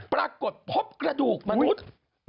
ปรากฏพบกระดูกมนุษย์